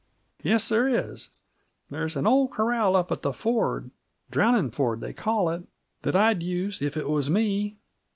"Yes, there is. There's an old corral up at the ford Drowning Ford, they call it that I'd use, if it was me.